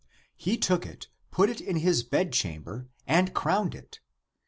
He took it, put it in his bedchamber, and crowned it.